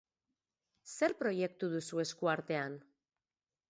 Zer proiektu duzu esku artean?